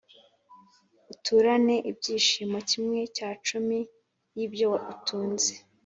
uturane ibyishimo kimwe cya cumi cy’ibyo utunze.